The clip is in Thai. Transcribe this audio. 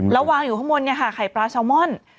แล้ววางอยู่ข้างบนค่ะไข่ปลาซาวม่อน